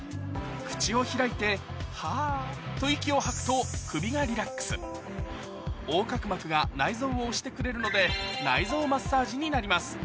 口を開いてハァっと息を吐くと首がリラックス横隔膜が内臓を押してくれるのでになります